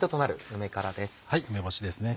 梅干しですね